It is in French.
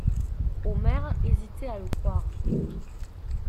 Omer hésitait à le croire.